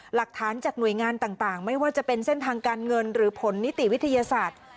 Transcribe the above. หลักฐานจากหน่วยงานต่างไม่ว่าจะเป็นเส้นทางการเงินหรือผลนิติวิทยาศาสตร์